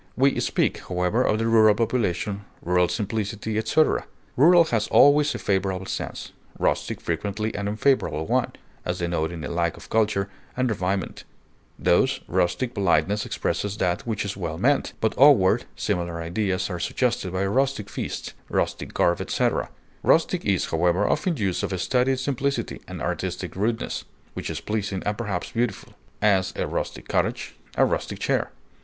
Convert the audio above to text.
We speak, however, of the rural population, rural simplicity, etc. Rural has always a favorable sense; rustic frequently an unfavorable one, as denoting a lack of culture and refinement; thus, rustic politeness expresses that which is well meant, but awkward; similar ideas are suggested by a rustic feast, rustic garb, etc. Rustic is, however, often used of a studied simplicity, an artistic rudeness, which is pleasing and perhaps beautiful; as, a rustic cottage; a rustic chair.